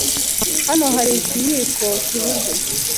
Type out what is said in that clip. Hano hari ikiyiko kibuze.